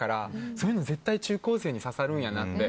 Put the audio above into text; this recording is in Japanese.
そういうの、絶対中高生に刺さるんやなって。